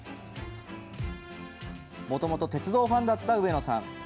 もともと鉄道ファンだった上野さん。